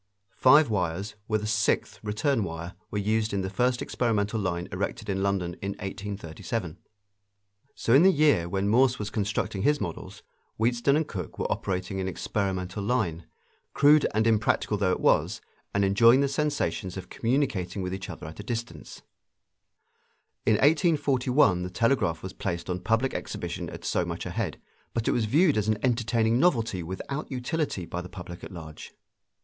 Five wires, with a sixth return wire, were used in the first experimental line erected in London in 1837. So in the year when Morse was constructing his models Wheatstone and Cooke were operating an experimental line, crude and impracticable though it was, and enjoying the sensations of communicating with each other at a distance. In 1841 the telegraph was placed on public exhibition at so much a head, but it was viewed as an entertaining novelty without utility by the public at large.